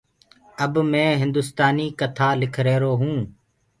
اب مي هندُستآنيٚ ڪٿآ لک هيرو